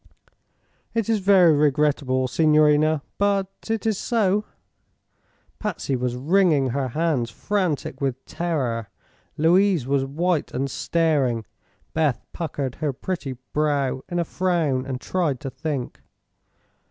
It is very regrettable, signorina; but it is so." Patsy was wringing her hands, frantic with terror. Louise was white and staring. Beth puckered her pretty brow in a frown and tried to think.